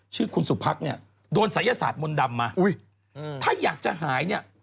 ชื่อคุณสุพักเนี่ยโดนศัยศาสตร์มนต์ดำมาอุ้ยถ้าอยากจะหายเนี่ย